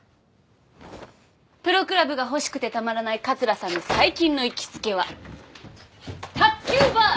プロクラブが欲しくてたまらない桂さんの最近の行きつけは卓球バー！